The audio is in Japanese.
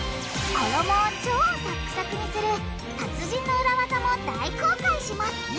衣を超サックサクにする達人のウラ技も大公開します！